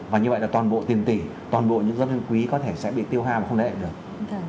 và như vậy là toàn bộ tiền tỷ toàn bộ những doanh nghiệp quý có thể sẽ bị tiêu hoa và không đại hệ được